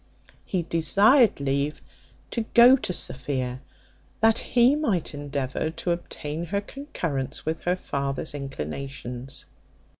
He desired leave to go to Sophia, that he might endeavour to obtain her concurrence with her father's inclinations.